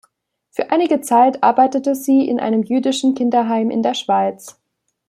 Für einige Zeit arbeitete sie in einem jüdischen Kinderheim in der Schweiz.